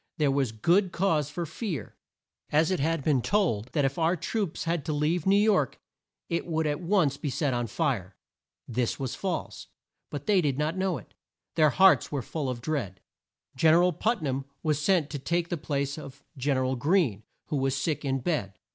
There was good cause for fear, as it had been told that if our troops had to leave New York it would at once be set on fire. This was false, but they did not know it. Their hearts were full of dread. Gen er al Put nam was sent to take the place of Gen er al Greene who was sick in bed.